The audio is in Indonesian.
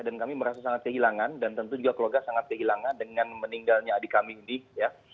dan kami merasa sangat kehilangan dan tentu juga keluarga sangat kehilangan dengan meninggalnya adik kami ini ya